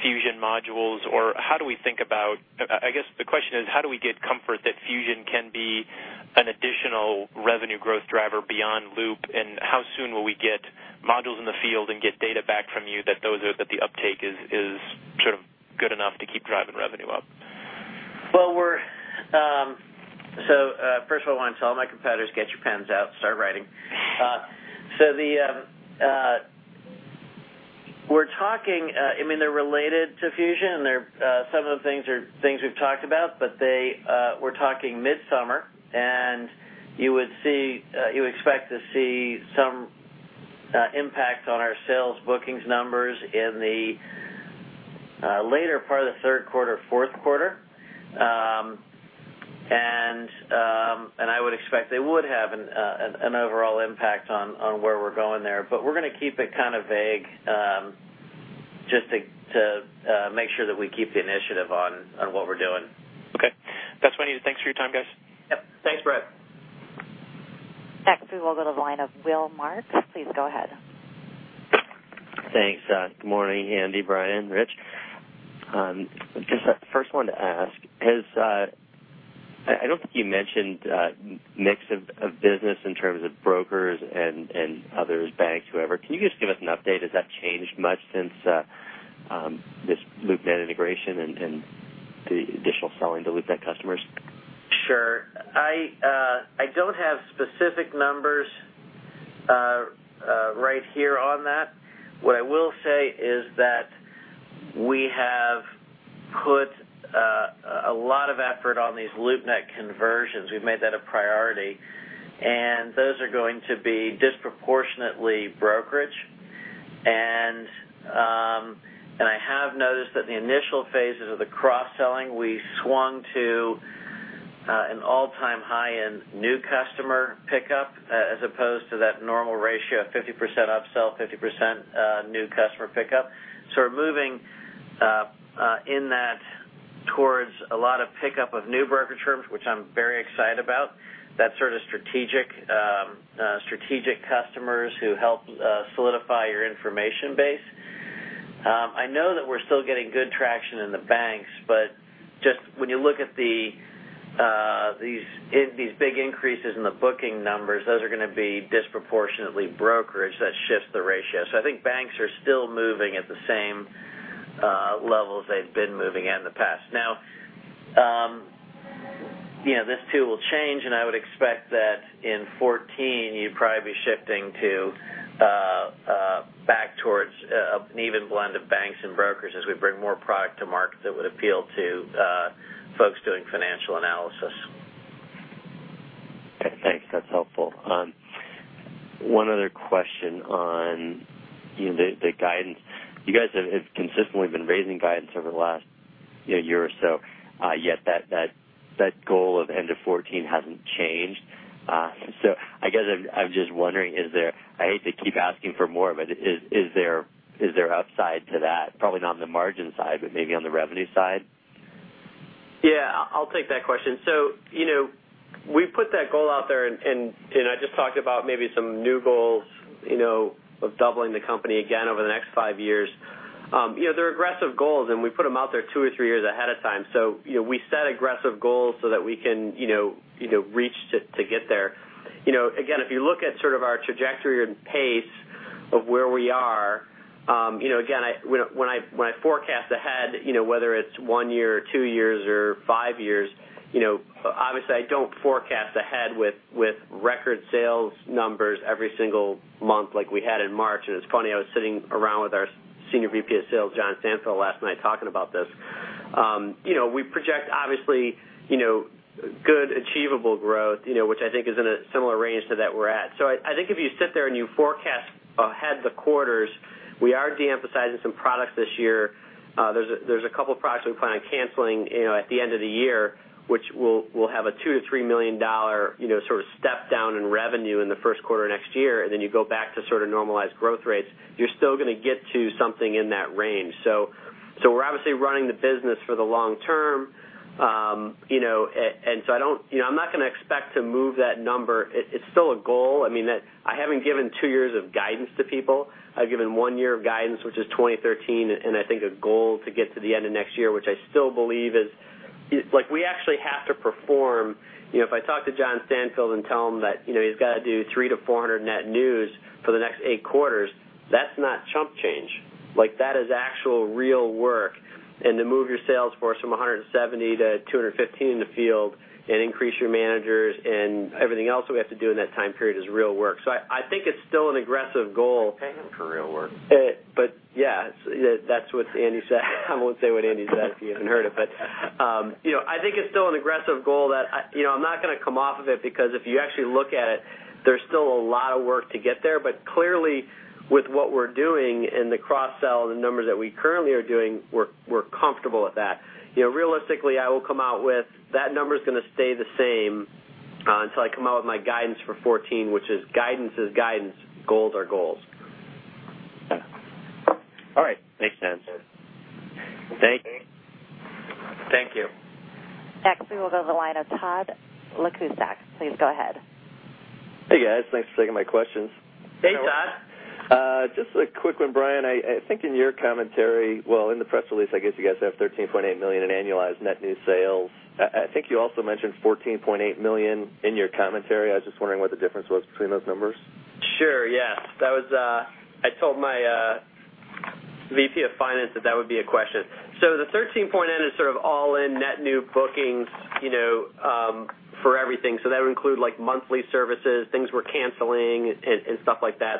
[SPEAKER 5] Fusion modules, or how do we think about I guess the question is, how do we get comfort that Fusion can be an additional revenue growth driver beyond Loop? How soon will we get modules in the field and get data back from you that the uptake is sort of good enough to keep driving revenue up?
[SPEAKER 3] First of all, I want to tell all my competitors, get your pens out, start writing. They're related to Fusion, and some of the things are things we've talked about, but we're talking midsummer, and you expect to see some impact on our sales bookings numbers in the later part of the third quarter, fourth quarter. I would expect they would have an overall impact on where we're going there. We're going to keep it kind of vague, just to make sure that we keep the initiative on what we're doing.
[SPEAKER 5] Okay. That's what I need. Thanks for your time, guys.
[SPEAKER 3] Yep. Thanks, Brett.
[SPEAKER 1] Next, we will go to the line of William Marks. Please go ahead.
[SPEAKER 5] Thanks. Good morning, Andy, Brian, Rich. First wanted to ask, I don't think you mentioned mix of business in terms of brokers and others, banks, whoever. Can you just give us an update? Has that changed much since this LoopNet integration and the additional selling to LoopNet customers?
[SPEAKER 3] Sure. I don't have specific numbers right here on that. What I will say is that we have put a lot of effort on these LoopNet conversions. We've made that a priority, and those are going to be disproportionately brokerage. I have noticed that the initial phases of the cross-selling, we swung to an all-time high in new customer pickup, as opposed to that normal ratio of 50% upsell, 50% new customer pickup. We're moving in that towards a lot of pickup of new brokerage firms, which I'm very excited about. That's sort of strategic customers who help solidify your information base. I know that we're still getting good traction in the banks, just when you look at these big increases in the booking numbers, those are going to be disproportionately brokerage. That shifts the ratio. I think banks are still moving at the same levels they've been moving at in the past. Now, this too will change, I would expect that in 2014, you'd probably be shifting back towards an even blend of banks and brokers as we bring more product to market that would appeal to folks doing financial analysis.
[SPEAKER 5] Okay, thanks. That's helpful. One other question on the guidance. You guys have consistently been raising guidance over the last year or so. Yet that goal of end of 2014 hasn't changed. I guess I'm just wondering, I hate to keep asking for more, but is there upside to that? Probably not on the margin side, but maybe on the revenue side?
[SPEAKER 4] Yeah, I'll take that question. We put that goal out there, and I just talked about maybe some new goals, of doubling the company again over the next five years. They're aggressive goals, and we put them out there two or three years ahead of time. We set aggressive goals so that we can reach to get there. Again, if you look at sort of our trajectory and pace of where we are, again, when I forecast ahead, whether it's one year or two years or five years, obviously I don't forecast ahead with record sales numbers every single month like we had in March. It's funny, I was sitting around with our Senior VP of Sales, John Stanfill, last night talking about this. We project obviously good achievable growth, which I think is in a similar range to that we're at. I think if you sit there and you forecast ahead the quarters, we are de-emphasizing some products this year. There's a couple products we plan on canceling at the end of the year, which will have a $2 million to $3 million sort of step down in revenue in the first quarter next year. Then you go back to sort of normalized growth rates. You're still going to get to something in that range. We're obviously running the business for the long term. I'm not going to expect to move that number. It's still a goal. I haven't given two years of guidance to people. I've given one year of guidance, which is 2013, and I think a goal to get to the end of next year, which I still believe is. We actually have to perform. If I talk to John Stanfill and tell him that he's got to do 300-400 net new for the next eight quarters, that's not chump change. That is actual real work. To move your sales force from 170 to 215 in the field and increase your managers and everything else that we have to do in that time period is real work. I think it's still an aggressive goal.
[SPEAKER 3] Paying for real work.
[SPEAKER 4] Yeah. That's what Andy said. I won't say what Andy said because you haven't heard it. I think it's still an aggressive goal that I'm not going to come off of it, because if you actually look at it, there's still a lot of work to get there. Clearly, with what we're doing in the cross-sell, the numbers that we currently are doing, we're comfortable with that. Realistically, I will come out with that number's going to stay the same until I come out with my guidance for 2014, which is guidance is guidance. Goals are goals.
[SPEAKER 3] All right. Makes sense.
[SPEAKER 4] Thank you.
[SPEAKER 3] Thank you.
[SPEAKER 1] Next, we will go to the line of Todd Lakustak. Please go ahead.
[SPEAKER 5] Hey, guys. Thanks for taking my questions.
[SPEAKER 4] Hey, Todd.
[SPEAKER 5] Just a quick one, Brian. I think in your commentary, well, in the press release, I guess you guys have $13.8 million in annualized net new sales. I think you also mentioned $14.8 million in your commentary. I was just wondering what the difference was between those numbers.
[SPEAKER 4] Sure, yes. I told my VP of finance that that would be a question. The $13.8 is sort of all in net new bookings for everything. That would include monthly services, things we're canceling, and stuff like that.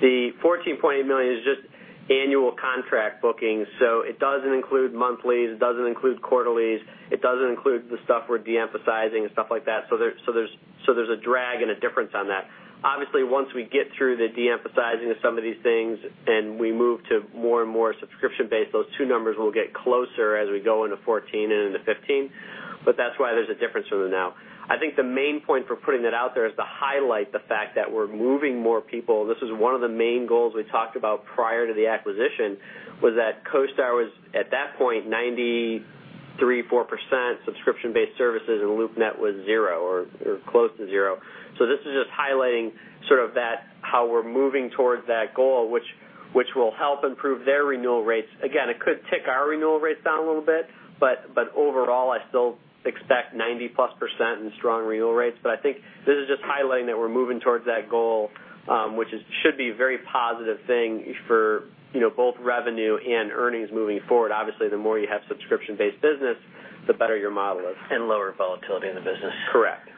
[SPEAKER 4] The $14.8 million is just annual contract bookings. It doesn't include monthlies, it doesn't include quarterlies, it doesn't include the stuff we're de-emphasizing and stuff like that. There's a drag and a difference on that. Obviously, once we get through the de-emphasizing of some of these things and we move to more and more subscription-based, those two numbers will get closer as we go into 2014 and into 2015. That's why there's a difference from them now. I think the main point for putting that out there is to highlight the fact that we're moving more people. This is one of the main goals we talked about prior to the acquisition, was that CoStar was, at that point, 93%, 94% subscription-based services, and LoopNet was zero or close to zero. This is just highlighting how we're moving towards that goal, which will help improve their renewal rates. Again, it could tick our renewal rates down a little bit, but overall, I still expect 90-plus percent in strong renewal rates. I think this is just highlighting that we're moving towards that goal, which should be a very positive thing for both revenue and earnings moving forward. Obviously, the more you have subscription-based business, the better your model is.
[SPEAKER 3] Lower volatility in the business.
[SPEAKER 4] Correct.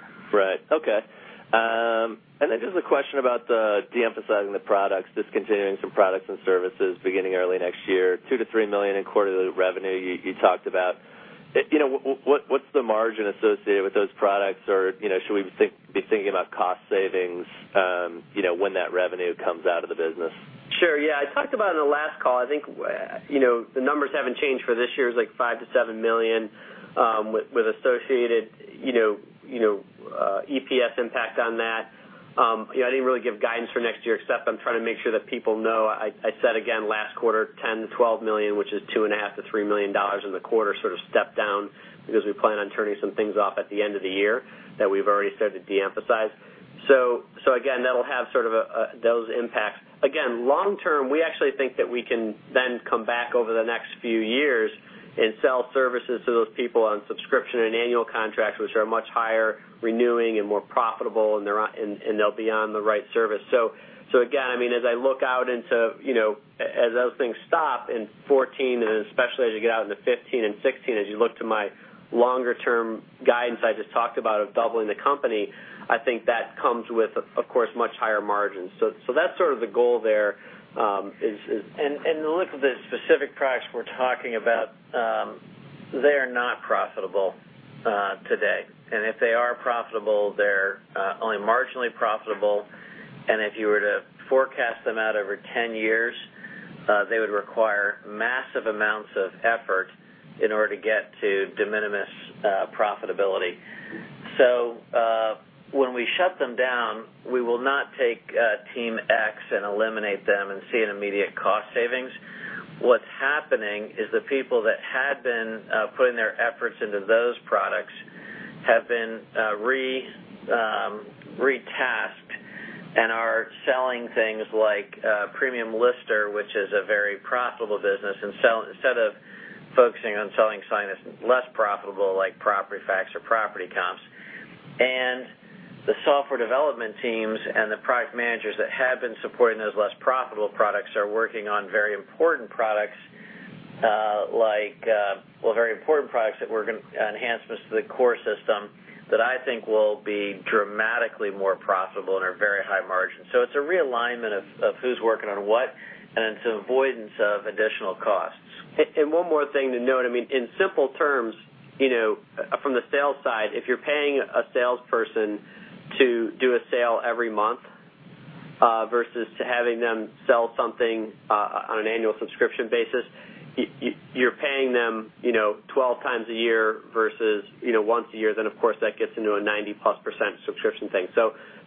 [SPEAKER 5] Then just a question about de-emphasizing the products, discontinuing some products and services beginning early next year, $2 million to $3 million in quarterly revenue, you talked about. What's the margin associated with those products? Or should we be thinking about cost savings when that revenue comes out of the business?
[SPEAKER 4] Sure, yeah. I talked about it on the last call. I think the numbers haven't changed for this year. It's $5 million to $7 million with associated EPS impact on that. I didn't really give guidance for next year, except I'm trying to make sure that people know. I said again, last quarter, $10 million to $12 million, which is $2.5 million to $3 million in the quarter sort of step down because we plan on turning some things off at the end of the year that we've already started to de-emphasize. Again, that'll have those impacts. Again, long term, we actually think that we can then come back over the next few years and sell services to those people on subscription and annual contracts, which are much higher renewing and more profitable, and they'll be on the right service. Again, as I look out into as those things stop in 2014, and especially as you get out into 2015 and 2016, as you look to my longer-term guidance I just talked about of doubling the company, I think that comes with, of course, much higher margins. That's sort of the goal there is.
[SPEAKER 3] Look at the specific products we're talking about. They are not profitable today. If they are profitable, they're only marginally profitable. If you were to forecast them out over 10 years, they would require massive amounts of effort in order to get to de minimis profitability. When we shut them down, we will not take team X and eliminate them and see an immediate cost savings. What's happening is the people that had been putting their efforts into those products have been re-tasked and are selling things like Premium Lister, which is a very profitable business, instead of focusing on selling less profitable, like Property Facts or Property Comps. The software development teams and the product managers that have been supporting those less profitable products are working on very important products, like enhancements to the CoStar Suite that I think will be dramatically more profitable and are very high margin. It's a realignment of who's working on what and it's an avoidance of additional costs.
[SPEAKER 4] One more thing to note. In simple terms, from the sales side, if you're paying a salesperson to do a sale every month versus to having them sell something on an annual subscription basis, you're paying them 12 times a year versus once a year. Of course, that gets into a 90-plus % subscription thing.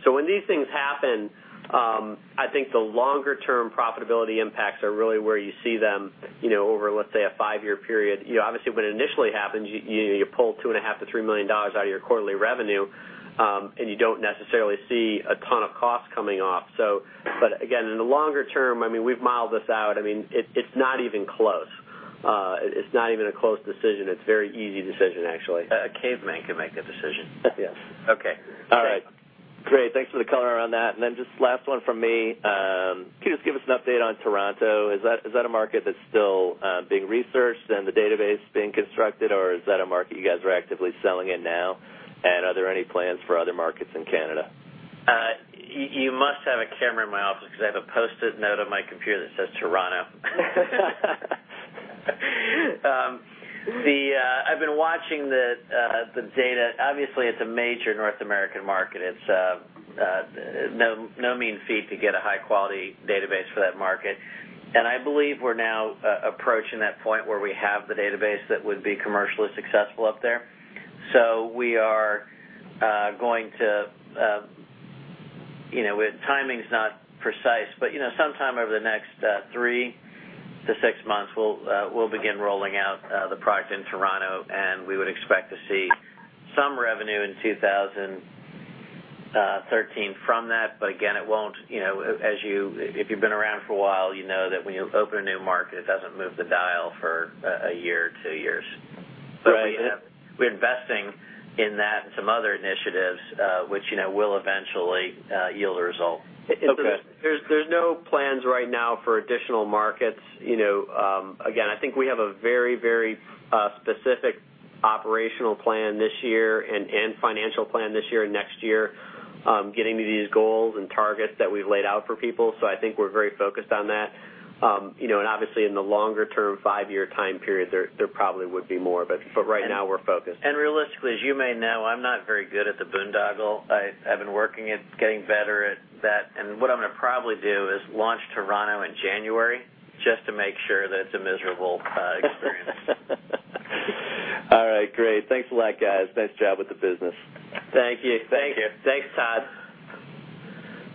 [SPEAKER 4] When these things happen, I think the longer-term profitability impacts are really where you see them over, let's say, a five-year period. Obviously, when it initially happens, you pull $2.5 million-$3 million out of your quarterly revenue, and you don't necessarily see a ton of cost coming off. Again, in the longer term, we've modeled this out. It's not even close. It's not even a close decision. It's a very easy decision, actually.
[SPEAKER 3] A caveman can make that decision.
[SPEAKER 4] Yes.
[SPEAKER 3] Okay.
[SPEAKER 4] All right.
[SPEAKER 5] Great. Thanks for the color on that. Just last one from me. Can you just give us an update on Toronto? Is that a market that's still being researched and the database being constructed, or is that a market you guys are actively selling in now? Are there any plans for other markets in Canada?
[SPEAKER 4] You must have a camera in my office because I have a Post-it note on my computer that says Toronto. I've been watching the data. Obviously, it's a major North American market.
[SPEAKER 3] No mean feat to get a high-quality database for that market. I believe we're now approaching that point where we have the database that would be commercially successful up there. We are going to, timing's not precise, but sometime over the next 3-6 months, we'll begin rolling out the product in Toronto, and we would expect to see some revenue in 2013 from that. Again, if you've been around for a while, you know that when you open a new market, it doesn't move the dial for a year or two years.
[SPEAKER 5] Right.
[SPEAKER 3] We're investing in that and some other initiatives, which will eventually yield a result.
[SPEAKER 5] Okay.
[SPEAKER 4] There's no plans right now for additional markets. Again, I think we have a very specific operational plan this year and financial plan this year and next year, getting to these goals and targets that we've laid out for people. I think we're very focused on that. Obviously in the longer term, five-year time period, there probably would be more. Right now we're focused.
[SPEAKER 3] Realistically, as you may know, I'm not very good at the boondoggle. I've been working at getting better at that, what I'm going to probably do is launch Toronto in January just to make sure that it's a miserable experience.
[SPEAKER 5] All right. Great. Thanks a lot, guys. Nice job with the business.
[SPEAKER 3] Thank you.
[SPEAKER 4] Thank you.
[SPEAKER 3] Thanks, Todd.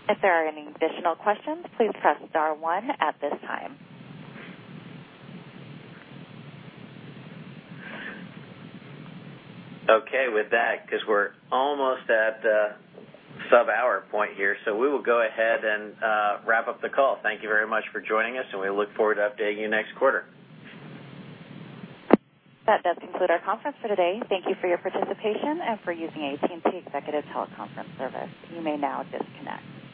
[SPEAKER 1] If there are any additional questions, please press star one at this time.
[SPEAKER 3] Okay with that, because we're almost at the sub-hour point here, so we will go ahead and wrap up the call. Thank you very much for joining us, and we look forward to updating you next quarter.
[SPEAKER 1] That does conclude our conference for today. Thank you for your participation and for using AT&T Executive TeleConference Service. You may now disconnect.